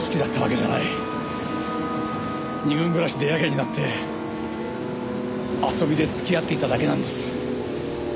２軍暮らしでヤケになって遊びで付き合っていただけなんです。